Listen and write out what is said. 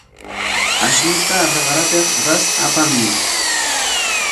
Ashnuta raqrapik ras apamuy.